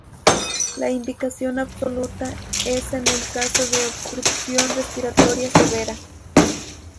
La indicación absoluta es en el caso de obstrucción respiratoria severa.